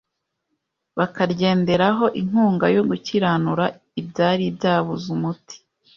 bakaryenderaho inkunga yo gukiranura ibyari byabuze umuti.